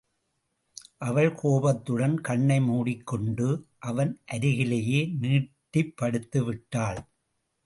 அவள் கோபத்துடன் கண்ணை மூடிக்கொண்டு அவன் அருகிலேயே நீட்டிப் படுத்துவிட்டாள்.